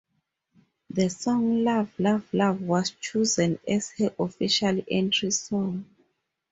The song "Love Love Love" was chosen as her official entry song.